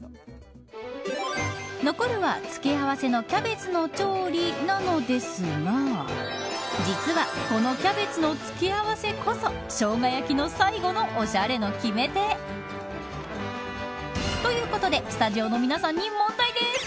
残るは、付け合わせのキャベツの調理なのですが実は、このキャベツの付け合わせこそしょうが焼きの最後のおしゃれの決め手。ということでスタジオの皆さんに問題です。